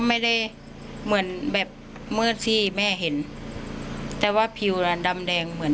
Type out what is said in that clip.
ไม่ได้เหมือนแบบมืดที่แม่เห็นแต่ว่าผิวน่ะดำแดงเหมือน